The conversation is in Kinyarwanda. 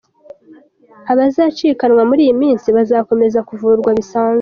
Abazacikanwa muri iyi minsi bazakomeza kuvurwa bisanzwe.